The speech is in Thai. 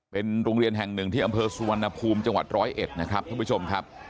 เป็นโรงเรียนแห่งหนึ่งที่อำเภอสุวรรณภูมิจังหวัดร้อยเอ็ดนะครับท่านผู้ชมครับ